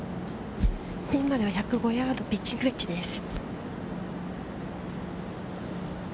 ピンまでは１０５ヤード、ピッチングウェッジです。